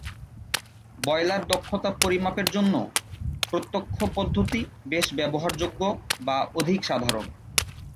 Boiler দক্ষতা পরিমাপের জন্য প্রত্যক্ষ পদ্ধতি বেশি ব্যবহারযোগ্য বা অধিক সাধারণ।